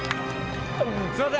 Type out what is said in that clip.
すみません。